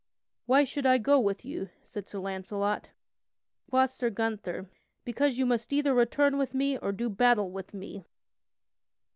"Why should I go with you?" said Sir Launcelot. Quoth Sir Gunther: "Because you must either return with me or do battle with me."